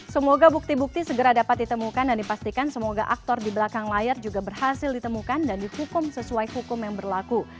semoga bukti bukti segera dapat ditemukan dan dipastikan semoga aktor di belakang layar juga berhasil ditemukan dan dihukum sesuai hukum yang berlaku